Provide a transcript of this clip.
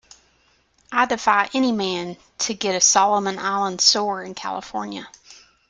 I defy any man to get a Solomon Island sore in California.